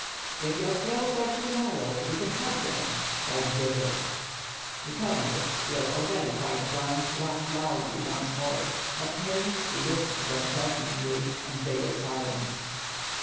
"If your throats are too narrow, we can cut them," cried Dziedzial. The colonels, who were already quite drunk, laughed loudly ' once more; but Khymelnitski looked at them threateningly and they were silent.